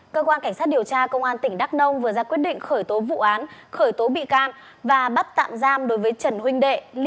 cơ quan cảnh sát điều tra công an tp đắk nông vừa ra quyết định khởi tố vụ án khởi tố bị can và bắt tạm giam đối với trần huynh đệ lưu hoàng anh